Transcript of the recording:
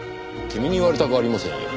君に言われたくありませんよ。